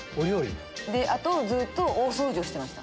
あとずっと大掃除をしてました。